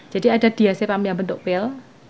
jadi ada diacepam yang bentuk pil